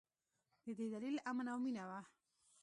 د دې دلیل امن او مینه وه.